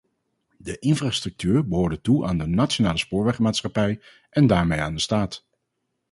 De infrastructuur behoorde toe aan de nationale spoorwegmaatschappij en daarmee aan de staat.